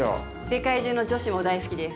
世界中の女子も大好きです。